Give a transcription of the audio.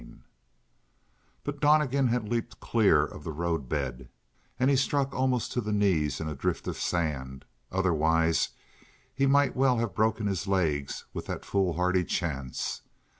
5 But Donnegan had leaped clear of the roadbed, and he struck almost to the knees in a drift of sand. Otherwise, he might well have broken his legs with that foolhardy chance.